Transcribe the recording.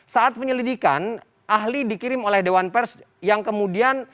saat penyelidikan ahli dikirim oleh dewan pers yang kemudian